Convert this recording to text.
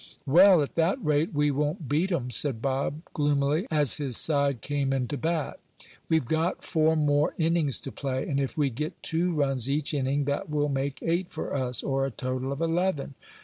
"Well, at that rate, we won't beat 'em," said Bob, gloomily, as his side came in to bat. "We've got four more innings to play, and if we get two runs each inning that will make eight for us, or a total of eleven.